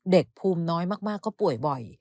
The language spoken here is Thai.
ภูมิน้อยมากก็ป่วยบ่อย